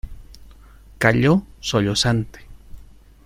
calló sollozante.